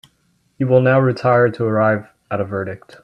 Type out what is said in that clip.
You will now retire to arrive at a verdict.